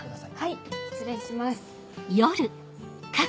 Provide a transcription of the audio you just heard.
はい失礼します。